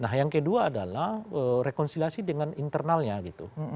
nah yang kedua adalah rekonsiliasi dengan internalnya gitu